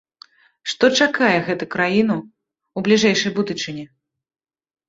Што чакае гэты краіну ў бліжэйшай будучыні?